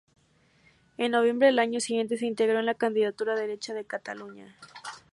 En noviembre del año siguiente se integró en la candidatura Derecha de Cataluña.